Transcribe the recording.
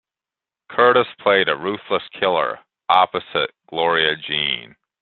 Curtis played a ruthless killer opposite Gloria Jean.